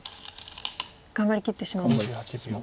頑張りきってしまおうと。